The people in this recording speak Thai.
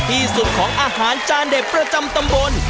ที่สุดของอาหารจานเด็ดประจำตำบล